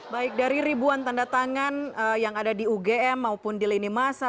baik dari ribuan tanda tangan yang ada di ugm maupun di lini masa